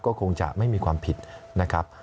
ก็คงจะไม่มีความผิดนะครับ